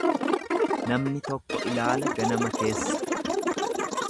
Namni tokko ilaala ganama keessa.